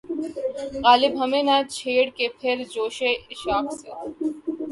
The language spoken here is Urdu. غالب ہمیں نہ چھیڑ کہ پھر جوشِ اشک سے